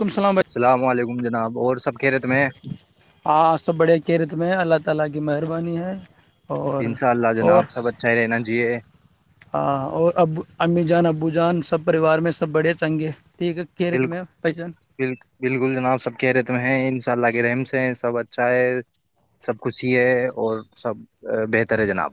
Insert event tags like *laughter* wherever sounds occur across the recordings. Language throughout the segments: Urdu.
وعلیکم بھائی السلام علیکم جناب اور سب کہہ رہے تھے میں *inaudible* انشاء اللہ جنا اور آپ سب اچھ رہے نا جی ہاں اور ابو امی جان ابو جان سب پریوار میں سب بڑے چنگے ٹھیک ہے کیرت بالکل میں بھائی جان بک بالکل جناب سب کہ رےتم ہے ان شاء اللہ کے رحم سے سب اچھا ہے سب خوشی ہے اور سب بہتر ہے جناب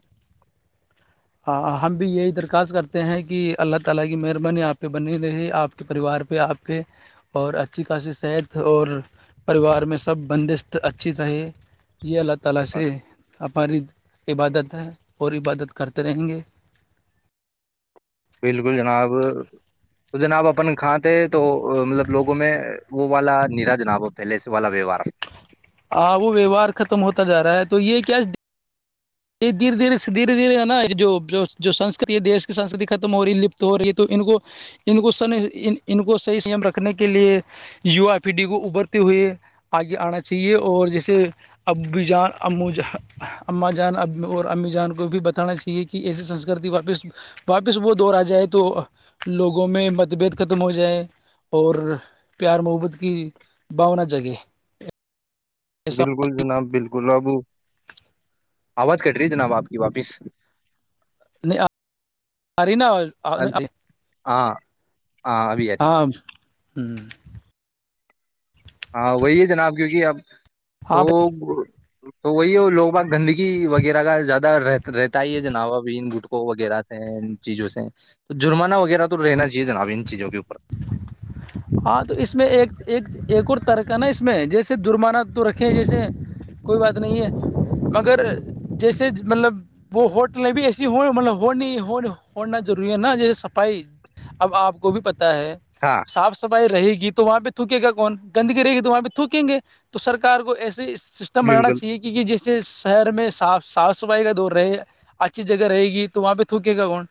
*inaudible* *inaudible* ہماری عبادت ہے اور عبادت کرتے رہیں گے بالکل جناب تو جناب اپن کاں ت تو مطلب لوگوں میں وہ والا نراجناب پہلے سے والا ویوہار ہاں وہ ویوار ختم ہوتا جا رہا ہے تو یہ کیا یہ دھیرے دھیرے دھیرے دھیرے ہے نا سک دیش کی سسکتی ختم ہو رہی لپت ہو رہی ہے تو ان کو صحی سیم رکھنے کے لیے یو پی ڈی کو ابرتے ہوئے آگے آنا چاہیے اور جیسے اب جان ا ا جان اور امی جان کو بھی بتانا چاہیے کہ ایسی سنسکرتی واپس واپس وہ دور آ جائے تو لوگوں میں متبد ختم ہو جائے اور پیار محبت کی بھاونا جگے بالکل جناب بالکل رابو آواز کٹ رہی ہے جناب آپ کی واپس نہیں ماری نہ ہو ہل- *unintelligible* ہاں ہاں ابھی ابھی ہوں ہاں وہی جناب کیونکہ اب ہاں تو تو وہی وہ لوگ باگ گندگی وغیرہ کا زیادہ رہ رہتا ہی ہے جناب اب ان گٹکوں وغیرہ سے ان چیزوں سے تو جرمانہ وغیرہ تو رہنا چاہیے جناب ان چیزوں کے اوپر ہاں تو اس میں ایک اور ترق کا نا اس میں جیسے جرمانہ تو رکھے جیسے کوئی بات نہیں ہے مگر جیسے مطلب وہ ہوٹلیں بھی ایسی ہوں مطلب ہونی ہو ہونا ضروری ہے نا جیسے صفائی اب آپ کو بھی پتا ہے ہاں صاف سفائی رہے گی گ تو وہاں پہ تھوکے گا کون گندگی رہے گی تو وہاں پہ تھوکیں گے تو سرار کو ایسے اس سسٹم بنانا بالکل چاہے کیونکہ جسے شہر میں صاف صاف صفائی کا دور رہے اچھی جگہ رہے گی تو وہاں پہ تھوکے گا کون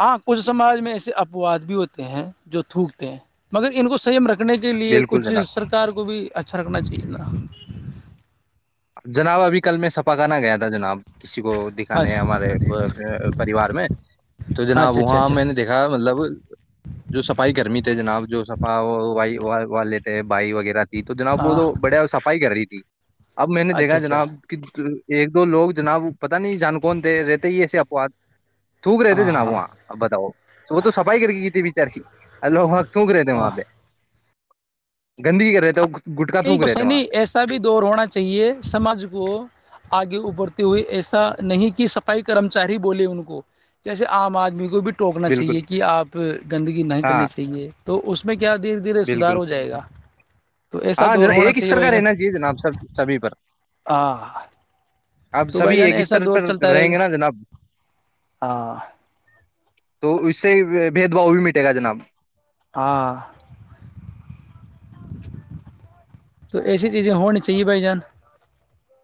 ہاں کچھ سماج میں ایسے اپواد بھی ہوتے ہیں جو تھوکتے ہیں مگر ان کو سیم رکھتے رنے کے لیے بالکل کچھ جناب سرکار کو بھی اچھا کا چی لا جناب ابھی کل میں سپ کرانا گیا تھا جناب کسی کو دکھانے ہیں اچھا ہمارے پریوار میں تو جناب اچھا اچھا وہاں اچھا میں نے دیکھا مطلب جو صفائی گرمی تھے جناب جو سپا والے تھے بھائی وغیرہ تھی تو جناب وہ ہاں تو بڑیا صفائی کر رہی تھی اب میں نے اچھا دیکھا اچھا جناب کہ ایک دو لوگ جناب پتا نہیں جان کون د رہتے ہی ایسے وق تھوک رہے تھے ہاں جناب ہاں وہاں اب بتاؤ وہ تو صفائی کر کے کی تھی وچار کی اللہو وہ سوک رہے تھے ہاں وہاں پہ گندگی کر رہے تھ نہیں کچھ نہیں ایسا بھی دور ہونا چاہیے سماج کو آگے ابھتے ہوئے ایسا نہیں کہ صفائی کرمچاری بولے ان کو جسے عام آدمی کو بھی ٹوکنا چاہیے بالکل کہ آپ گندگی نہیں ہاں کرنی چاہیے تو اس میں کیا دیر دھیرے سدار بالکل ہو جائے گا تو ایسا ہاں دور جناب ہونا ایک چاہیے استر بھائی کا جان رہنا چاہیے جناب سب سبھی پر ہاں اب تو بھائی سبھی جان ایک ایسا استر دور پر چلتا رہے رہیں گا گے نا جناب ہاں تو اس سے بھید باؤ بھی مٹے گا جناب ہاں تو ایسی چیزیں ہونی چاہیے بھائی جان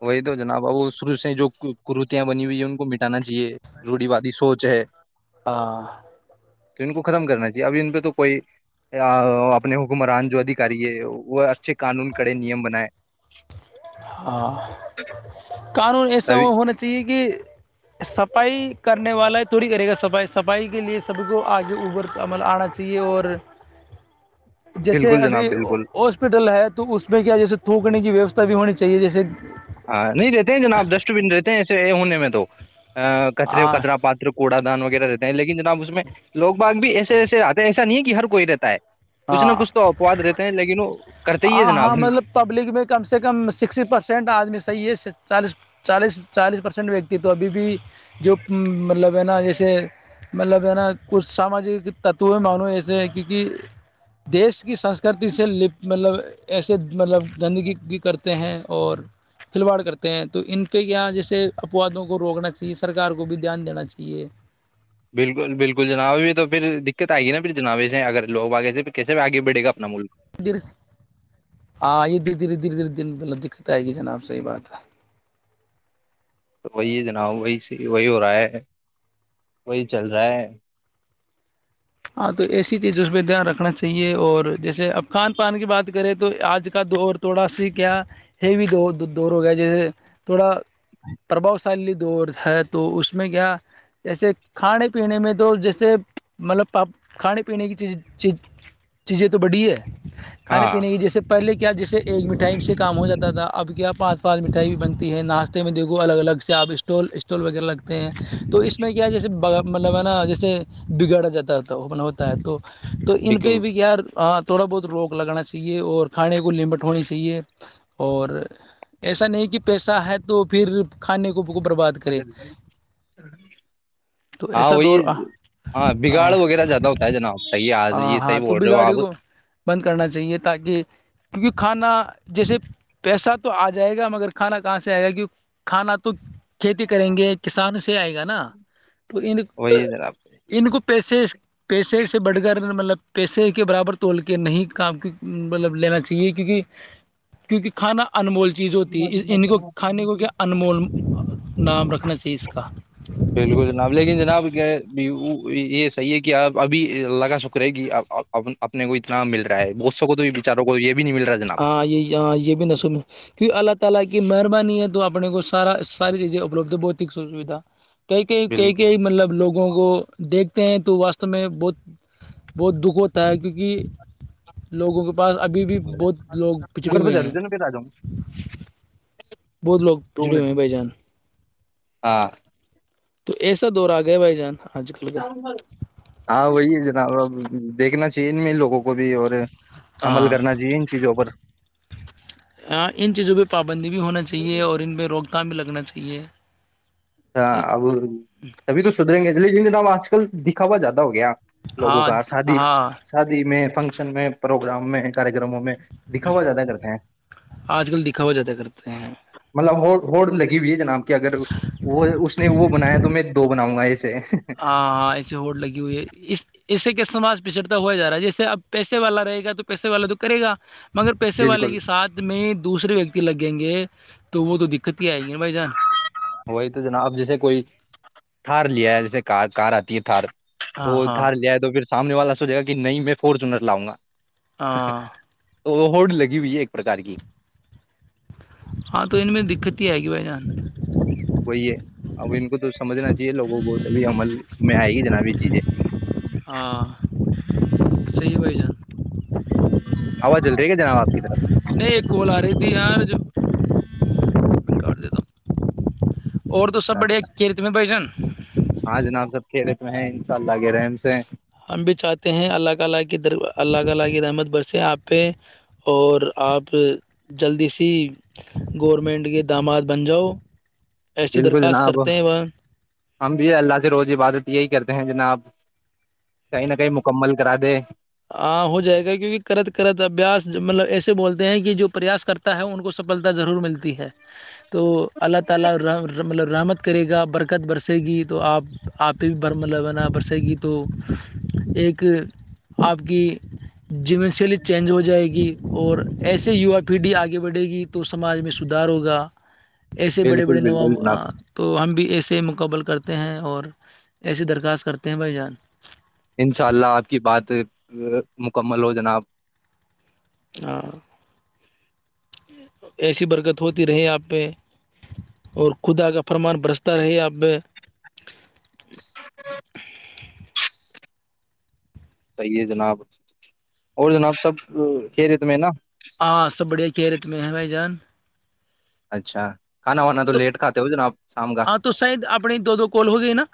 وہی تو جناب اب وہ شروع سے جو کررتیاں بنی ہوئی ہے ان کو مٹانا چاہیے روڑی وادی سوچ ہے *inaudible* تو ان کو ختم کرنا چاہیے ابھی ان پہ تو کوئی اپنے حکمران جو ادھیکاری ہے وہ اچھے قانون کڑے نیم بنائے *inaudible* قانون ایسا ہونا چاہیے کہ صفائی کرنے والا ہے تھوڑی کرے گا صفائی صفائی کے لیے سب کو آگے ابر عمل آنا چاہیے اور جیسے بالکل ابھی جناب بالکل ہاسپٹل ہے تو اس میں کیا جیسے تھوکنے کی وی بھی ہونی چاہیے جیسے ہاں نہیں رہتے ہیں جناب ا کچرے ہاں کچرا پاتر کواان رہتا ہے لیکن جناب اس میں لوگ با بھی ایسے ایسے آتے ہیں ایسا نہیں ہر کوئی دیتا ہے کچھ نہ ہاں کچھ تو اپواد رہتے ہیں لیکن وہ کرتے ہی ہے ہاں جناب ہاں مطلب پبلک میں کم سے کم سکسٹی پرسینٹ آدمی صحیح ہے چالیس چالیس چالیس پرسینٹ وتی تو ابھی بھی جو مطلب ہے نا جیسے مطلب ہے نا کچھ ساماجک تتو ہے معانوم جسے کیونکہ دیش کی سنسکرتی سے لپ مطلب ایسے مطلب گندگی کرتے ہیں اور کھلواڑ کرتے ہیں تو ان کے یہاں جیسے اپوادوں کو روکنا چاہیے سرکار کو بھی دھیان دینا چاہیے بالکل بالکل جناب اب تو پھر دقتئے گی ن پھر جنابے اگر لوگے پھر کسے بھی آگے بڑھےا اپنا ملک د ہاں یہ دھیرے دھیر دھیرے دھیرے دن مطلب دقت آئے گی جناب سےحی بات ہے تو وہی جناب وہی سے وہی ہو رہا ہے وہی چل رہا ہے ہاں تو ایسی چیزوں پہ دھیان رکھنا چاہیے اور جیسے اب کھان پان کی بات کریں تو آج کا دور تھوڑا سی کیا ہیوی دور ہو گیا جیسے تھوڑا پربھاؤ شالی دور ہے تو اس میں کیا جیسے کھانے پینے میں تو جیسے مطلب پپ کھانے پینے کی چیز چی چیزیں تو بڑی ہے کھے ہاں پینے کی جیسے پہلے کی کیا جیسے ایک مٹھائی سے کام ہو جاتا تھا اب کیا پانچ پانچ مٹھائی بھی بنتی ہے ناشتے میں دیکھو الگ الگ سے آپ اسٹول اسٹال وغیرہ لگتے ہیں تو اس میں کیا جیسے مطلب ہے نا جیسے بگاڑا جاتا تھا تو وہ بنا ہوتا ہے تو تو ان بی بالکل بھی یار تھوڑا بہت روک لگاننا چاہیے اور کھانے کو لمٹ ہونی چاہیے اور ایسا نہیں کہ پیسہ ہے تو پھر کھانے کو وہ برباد کرے تو ہاں ایسا دور وہی ہاں ہاں ہاں تو بھی گاڑی کو بند کرنا چاہیے تاکہ *unintelligible* کیونکہ کھانا جیسے پیسہ تو آجائے گا مگر کھانا کہاں سے آئے گا کی کھانا تو کھیتی کریں گے کسان سے آئے گا نا تو ان وہی ہے ان کو پیسے پیسے سے بڑھ کر مطلب پیسے کے برابر توڑ کے نہیں کام مطلب لینا چاہیے کیونکہ کیونکہ کھانا انمول چیز ہوتی ہے ان کو جناب کھانے کو کیا انمول نام رکھنا چاہیے اس کا بالکل جناب لیکن جناب کیا ہے یہ صی ہے کہ اب ابھی اللہ کا شکر ہے کہ اپنے کو اتنا مل رہا ہے دووں کو تو بھی بچاروں کو یہ بھی نہیں مل رہا جناب ہاں یہ یہاں یہ بھی نسل ہے فر اللہ تعالی کی مہربانی ہے تو اپنے کو سارا ساری چیزیں اپلبدھ بتک س سوھا کئی کئی کئی بالکل کئی مطلب لوگوں کو دیکھ تی ہیں تو واسستو میں بہت بہت دکھ ہوتا ہے کیونکہ لوگوں کو بس ابھی بھی بہت لوگ پچھڑے گھر پہ ہوئے ہیں ضرور نا پھر آ جاؤں بہت لوگ دو پچڑے منٹ ہوئے ہیں بھائی جان ہاں تو ایسا دور آ گیا بھائی جان آج کل کا ہاں وہی ہے جناب دیکھنا چاہیے ان میں ان لوگوں کو بھی اور عمل ہاں کرنا چاہیے ان چیزوں پر ہاں ان چیزوں پہ پا بندی بھی ہونا چاہیے اور ان پہ روک کا بھی لگنا چاہیے ہاں اب ابھی تو سدریں گے لیکن جناب آج کل دکھاوا زیادہ ہو گیا لوگوں ہاں کا شادی ہاں شادی میں فنکشن میں پروگرام میں کار کررموں میں دکھاوا زیادہ کرتے ہیں آج کل دکھاوا زیادہ کرتے ہیں مطلب وہ رڈ لگی بھیئی ہے جناب کہ اگر وہ اس نے وہ بنایا تو میں دو بناؤں گا اس ہاں ہاں ایسے ہوڈ لگی ہوئی ہے اس ایسے کہ سماج پچڑتا ہوا جا رہا ہے جیسےب پیسے والا رہ گا تو پیسے والا تو کرےا مگر پیسے والے بالکل کے ساتھ میں دوسے ویکتی لگیں گے تو وہ تو دقت ہی آئے گی نا بھائی جان وہی تو جناب اب جیسے کوئی تھار لیا ہے جیسے کار کار آتی ہے تھار تو ہاں وہ ہاں ادار لے دو پھر سامنے والا سوچے گا کہ نہیں میں فورچنر لاؤ گا ہے تو ہوڈ لگی ہوئی ہے ایک پرکار کی ہاں تو ان میں دقت ہی آئے گی بھائی جان وہی ہے اب ان کو تو سمجھنا چاہیے لوگوں کو تبھی عمل میں آئے گی جناب یہ چیزیں ہاں صی با آواز جل رہی ہے گ جناب آپ کی طرف نہیں ایک کوال آ رہی تھی یار جو گ اور تو سب اچھا بڑے اچھا کھیرت میں بھ جان *inaudible* *inaudible* ہاں جناب سب کھیلےتے ہیں ان شاء اللہ کے رحم سے ہم بھی چاہتے ہیں اللہ کاللہ کی دروار اللہ تعالی کی رحمت برسے اپ پہ اور اپ جلدی سے گورنمنٹ کے داماد بن جاؤ ایسی بالکل درخواست جناب کرتے ہیں وہ ہم بھی ہے اللہ سے روز عبادت یہی کرتے ہیں جناب کہیں نہ کہیں مکمل کرا دے ہاں ہو جائے گا کیونکہ کرت کرت ابیاس مطلب ایسے بولتے ہیں کہ جو پریاس کرتا ہے ان کو سفلتا ضرور ملتی ہے تو اللہ تعالی مطلب رحمت کرے گا برکت برسے گی تو آپ آپ پہ بھی برملاوانہ برسے گی تو ایک آپ کی جیم چلیے چینج ہو جائے گی اور ایسے ووا پیڑھی آگے بڑھے گی تو سماج میں سدھار ہوگا ایسے بڑے بالکل بڑے نواب بالکل جناب تو ہم بھی ایسے مقابل کرتے ہیں اور ایسی درخواست کرتے ہیں بھائی جان انشاء اللہ آپ کی بات مکمل ہو جناب ہاں *unintelligible* ایسی برکت ہوتی رہے آپ پہ اور خدا کا فرمان برستا رہے آپ پہ *inaudible* صحی ہے جناب اور جناب سب کھی رہے تم نا ہاں سب بڑھیا کہ رہے تمہ ہے بھائی جان اچھا کھانا وانا تو لیٹ کاتے ہو جو نا آپ ہاں تو ساید اپنی دو دو کال ہو گی نا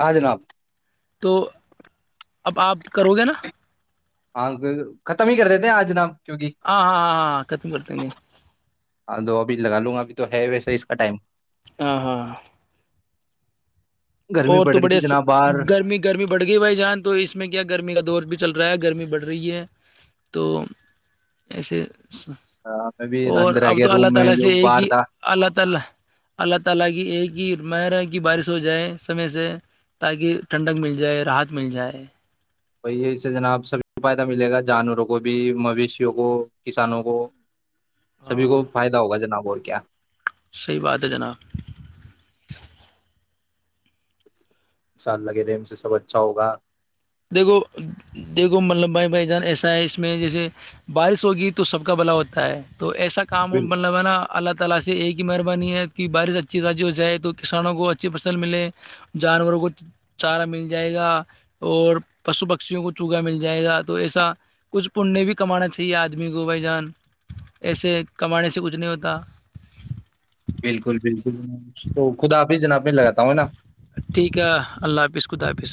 ہاں جناب تو اب آپ کرو گے نا ہاں ختم ہی کر دیتے ہیں آج نب کیکہ ہاں ہاں ہاں ہاں ختم کر دیں گے ہ تو ابھی لگا لوں گا ابھی تو ہے ویسے کا ٹائم *unintelligible* ہ ہاں *unintelligible* گرمی اور تو پڑ رہی بڑے تھی جناب باہر گرمی گرمی بڑھ گئی بھائی جان تو اس میں کیا گرمی کا دور بھی چل رہا ہے گرمی بڑھ رہی ہے تو ایسے میں بھی اندر آ گیا روم میں جو باہر تھا *unintelligible* یہ مرا کی بارش ہو جائے سمے سے تاکہ ٹھنڈک مل جائے راحت مل جائے توی اس سے جناب سب فائدہ ملے گا جانوروں کو بھی مویشیوں کو کسانوں کو سبھی کو فائدہ ہوگا جناب اور کیا صحی بات ہے جناب ا شاء اللہ کے ریم سے سب اچھا ہوگا دیکھو دیکھو ملب بھائی بھائی جان ایسا ہے اس میں جیسے بارش ہوگی تو سب کا بھلا ہوتا ہے تو ایسا کام بالکل بلوانا اللہ *unintelligible* تعالا سے ایک ہی مہربانی ہے کہ بارش اچھی تضی ہو جائے تو کسانوں کو اچھی فصل ملے جانوروں کو چارہ مل جائے گا اور پشو پکشیوں کو چوگا مل جائے گا تو ایسا کچھ پنیہ بھی کمانا چاہیے آدمی کو بھائی جان ایسے کمانے سے کچھ نہیں ہوتا بالکل بالکل تو خدا حافظ جناب میں لگاتا ہوں ہے نا ٹھیک ہے اللہ حافظ خدا حافظ